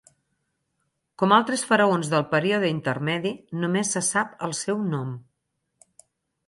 Com altres faraons del període intermedi, només se sap el seu nom.